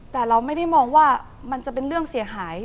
แต่เราไม่ได้มองว่ามันจะเป็นเรื่องเสียหาย